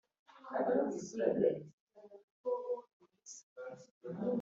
udusapfu tubengerana dukwirakwiye kuri buri munsi